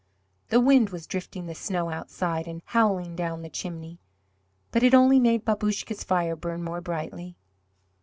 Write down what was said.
The wind was drifting the snow outside and howling down the chimney, but it only made Babouscka's fire burn more brightly.